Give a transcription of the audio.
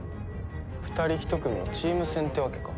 二人一組のチーム戦ってわけか。